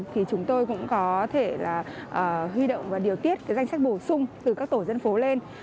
thì chúng tôi cũng có thể là huy động và điều tiết danh sách bổ sung từ các tổ dân phố lên